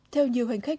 theo nhiều hành khách